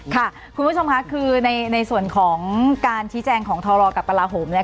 ค่ะคุณผู้ชมค่ะคือในส่วนของการชี้แจงของทรกับกลาโหมเนี่ย